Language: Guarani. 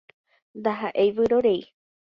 Ndahaʼéi vyrorei.